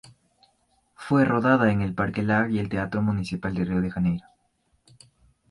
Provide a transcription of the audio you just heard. Fue rodada en el Parque Lage y el Teatro Municipal de Río de Janeiro.